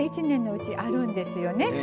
１年のうちあるんですよね。